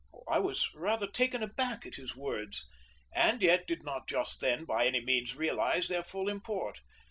I was rather taken aback at his words, and yet did not just then by any means realize their full import.